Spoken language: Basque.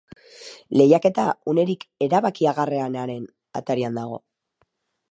Lehiaketa unerik erabakigarrienaren atarian dago.